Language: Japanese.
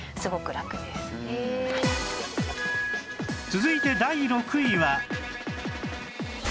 続いて第６位は